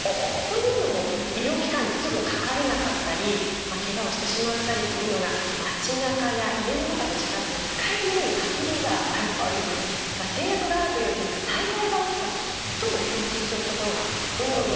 というのも医療機関にすぐかかれなかったりケガをしてしまったりするのが街なかや家の中と違って使えるものに限りがあるという制約があるという点では災害が起きたときとも共通するところが多い。